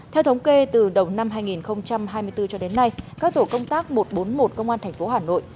theo thống kê từ đầu năm hai nghìn hai mươi bốn cho đến nay các tổ công tác một trăm bốn mươi một công an tp hà nội